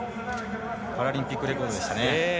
パラリンピックレコードでしたね。